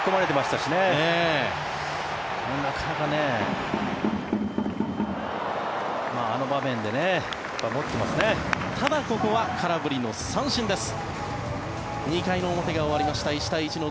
ただここは空振りの三振です。